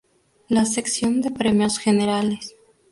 La sección de premios generales